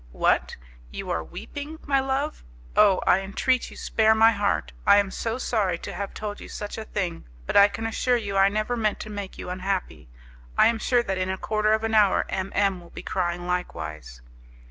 "What! you are weeping, my love! Oh! I entreat you, spare my heart! I am so sorry to have told you such a thing, but I can assure you I never meant to make you unhappy. I am sure that in a quarter of an hour M M will be crying likewise."